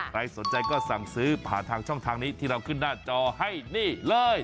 ใครสนใจก็สั่งซื้อผ่านทางช่องทางนี้ที่เราขึ้นหน้าจอให้นี่เลย